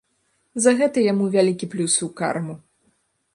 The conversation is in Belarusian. За гэта яму вялікі плюс у карму.